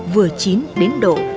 vừa chín đến độ